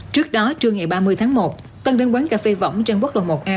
trước đó trưa ngày ba mươi tháng một tân đến quán cà phê võng trên bốc lồng một a